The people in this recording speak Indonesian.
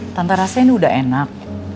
tante rasanya ini udah enak